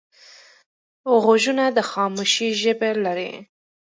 غوږونه د خاموشۍ ژبه لري